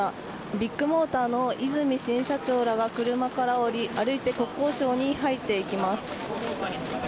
ビッグモーターの和泉新社長らが車から降り歩いて国交省に入っていきます。